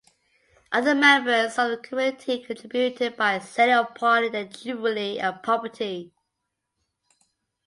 Other members of the community contributed by selling or pawning their jewellery and property.